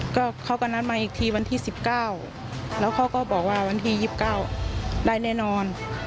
ก็เขาก็นัดมาอีกทีวันที่๑๙แล้วเขาก็บอกว่าวันที่๒๙ได้แน่นอน